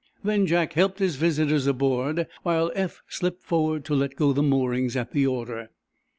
Then Jack helped his visitors aboard, while Eph slipped forward to let go the moorings at the order.